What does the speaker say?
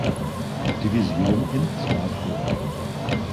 Division in Straßburg.